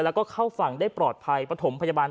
แล้วก็เข้าฝั่งได้ปลอดภัยปฐมพยาบาล